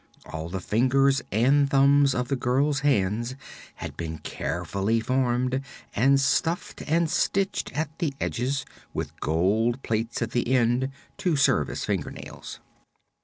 All the fingers and thumbs of the girl's hands had been carefully formed and stuffed and stitched at the edges, with gold plates at the ends to serve as finger nails.